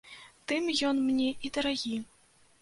Тым ён мне і дарагі.